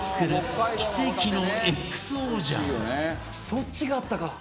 「そっちがあったか！」